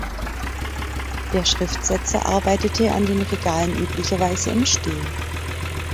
Der Schriftsetzer arbeitete an den Regalen üblicherweise im Stehen.